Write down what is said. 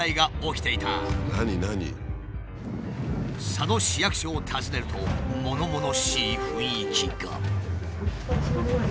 佐渡市役所を訪ねるとものものしい雰囲気が。